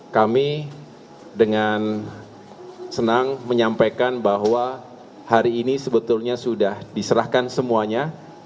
kami dengan senang menyampaikan bahwa hari ini sebetulnya sudah diserahkan semuanya